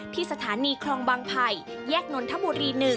ที่สถานีคลองบางไผ่แยกนนทบุรี๑